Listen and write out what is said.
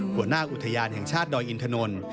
หัวหน้าอุทยานแห่งชาติดอยอินทนนท์